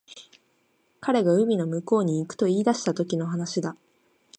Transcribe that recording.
彼が海の向こうに行くと言い出したときの話だ